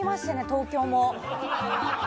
東京も。